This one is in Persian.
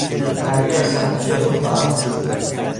پری از صندلی خود برخاست.